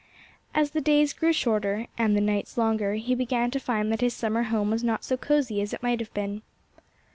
As the days grew shorter and the nights longer he began to find that his summer home was not so cozy as it might have been.